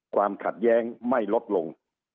ความขัดแย้งไม่ลดลง